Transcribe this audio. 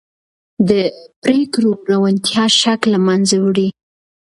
د پرېکړو روڼتیا شک له منځه وړي